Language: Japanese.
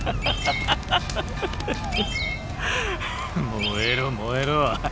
・燃えろ燃えろ。